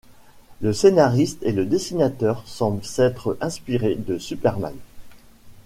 Le scénariste et le dessinateur semble s'être inspiré de Superman.